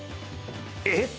えっ？